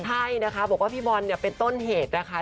ใช่นะคะบอกว่าพี่บอลเนี่ยเป็นต้นเหตุนะคะ